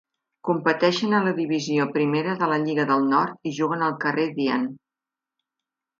Competeixen a la Divisió Primera de la Lliga del Nord i juguen al carrer Dean.